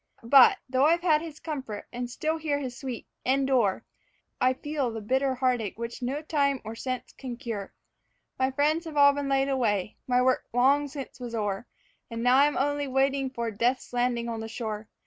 But, though I've had his comfort, and still hear his sweet 'Endure,' I feel the bitter heartache which no time or sense can cure. My friends have all been laid away, my work long since was o'er, And now I'm only waiting for Death's landing on the shore.